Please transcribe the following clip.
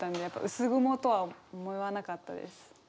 やっぱ薄雲とは思わなかったです。